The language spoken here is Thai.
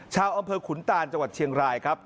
ชาวอำเภอขุนตานจังหวัดเชียงรายครับ